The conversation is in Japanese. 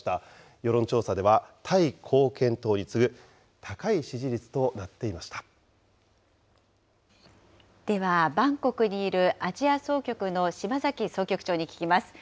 世論調査では、タイ貢献党に次ぐでは、バンコクにいるアジア総局の島崎総局長に聞きます。